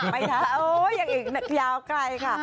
ไปจ้ะอย่างอีกยาวไกลค่ะ